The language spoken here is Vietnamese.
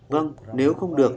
vâng nếu không được